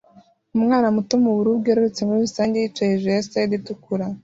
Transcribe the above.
Umwana muto mubururu bwerurutse muri rusange yicaye hejuru ya slide itukura